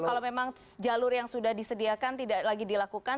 kalau memang jalur yang sudah disediakan tidak lagi dilakukan